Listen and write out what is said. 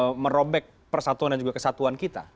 yang bisa merobek persatuan dan juga kesatuan kita